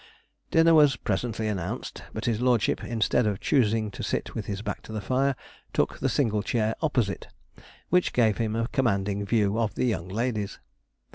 Dinner was presently announced; but his lordship, instead of choosing to sit with his back to the fire, took the single chair opposite, which gave him a commanding view of the young ladies.